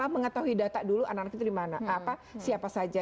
mengetahui data dulu anak anak itu dimana siapa saja